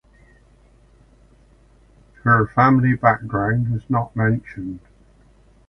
Her family background is not mentioned.